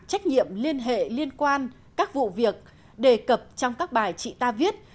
trách nhiệm liên hệ liên quan các vụ việc đề cập trong các bài chị ta viết